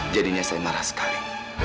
jadinya saya marah sekali